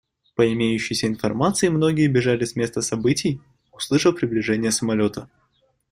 По имеющейся информации, многие бежали с места событий, услышав приближение самолета.